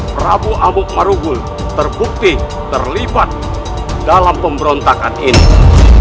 prabu amuk marugul terbukti terlibat dalam pemberontakan ini